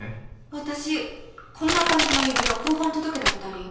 私こんな感じの指輪交番届けたことあるよ。